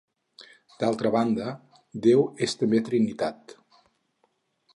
D'altra banda, Déu és també Trinitat.